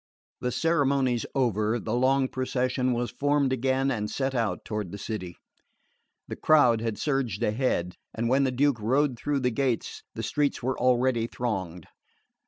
The ceremonies over, the long procession was formed again and set out toward the city. The crowd had surged ahead, and when the Duke rode through the gates the streets were already thronged.